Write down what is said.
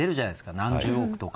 何十億とか。